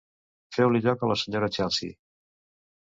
Feu-li lloc a la senyora Chelsea.